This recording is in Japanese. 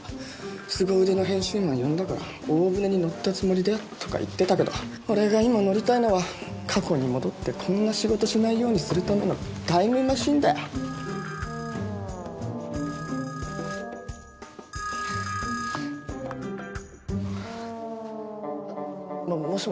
「すご腕の編集マン呼んだから大船に乗ったつもりで」とか言ってたけど俺が今乗りたいのは過去に戻ってこんな仕事しないようにするためのタイムマシンだよ。ももしもし？